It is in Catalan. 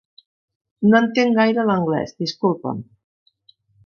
No entenc gaire l'anglés, disculpa'm.